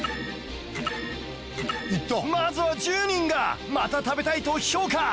まずは１０人が「また食べたい」と評価